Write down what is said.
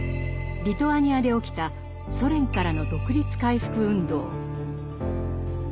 リトアニアで起きたソ連からの独立回復運動。